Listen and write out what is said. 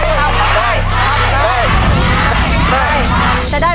จะได้โบนัสเท่าไร